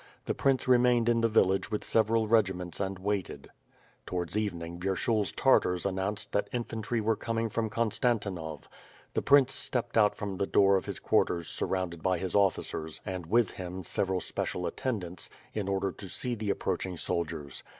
The prince remained in the village with several regiments and waited. .. Towards evening VyershuFs Tari:ars announced that infantry were coming from Konstantinov. The prince stepped out from the door of his quarters surrounded by his officers and, with him several special attendants, in order to see the approaching soldiers.